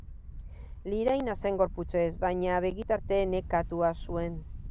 Liraina zen gorputzez, baina begitarte nekatua zuen.